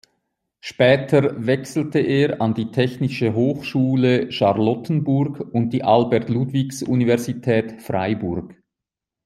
Später wechselte er an die Technische Hochschule Charlottenburg und die Albert-Ludwigs-Universität Freiburg.